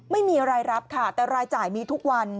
ไม่มีรายรับค่ะแต่รายจ่ายมีทุกวัน